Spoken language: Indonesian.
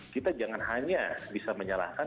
kita jangan hanya bisa menyalahkan